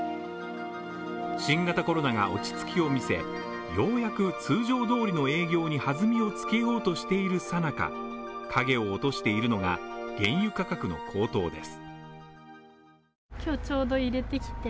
新型コロナが落ち着きを見せ、ようやく通常通りの営業に弾みをつけようとしている最中影を落としているのが原油価格の高騰です。